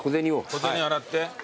小銭洗って。